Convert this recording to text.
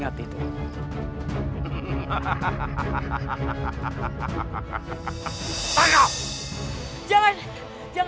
kamu bukanlah tuhan ki sawung